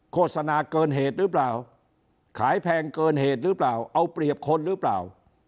โฆษณาเกินเหตุหรือเปล่าขายแพงเกินเหตุหรือเปล่าเอาเปรียบคนหรือเปล่า